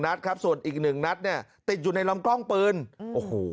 นัดครับส่วนอีกหนึ่งนัดเนี่ยติดอยู่ในลำกล้องปืนโอ้โห